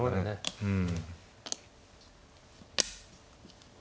うん。